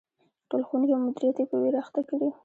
ټول ښوونکي او مدیریت یې په ویر اخته کړي.